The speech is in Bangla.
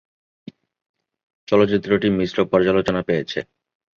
চলচ্চিত্রটি মিশ্র পর্যালোচনা পেয়েছে।